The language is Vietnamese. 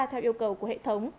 theo yêu cầu của hệ thống